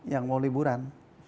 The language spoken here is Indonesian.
yang mau liburan